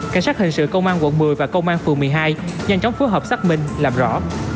cảnh sát hình sự công an quận một mươi và công an phường một mươi hai nhanh chóng phối hợp xác minh làm rõ